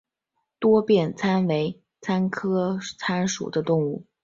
多变尻参为尻参科尻参属的动物。